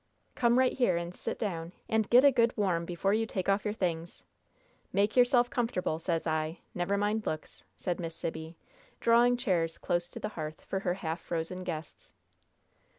"Come right here and sit down, and get a good warm before you take off your things. Make yourself comfortable, sez I! never mind looks," said Miss Sibby, drawing chairs close to the hearth for her half frozen guests.